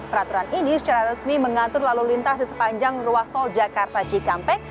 peraturan ini secara resmi mengatur lalu lintas di sepanjang ruas tol jakarta cikampek